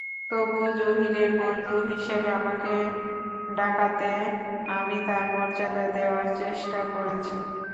তবু জহিরের বন্ধু হিসেবে আমাকে ডাকাতে আমি তাঁর মর্যাদা দেওয়ার চেষ্টা করেছি।